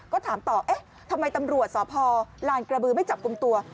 ก็ถามต่อทำไมตำรวจสอบภอร์รานกระบือไม่จับกรุมตัว